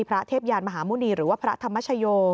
เทพยานมหาหมุณีหรือว่าพระธรรมชโย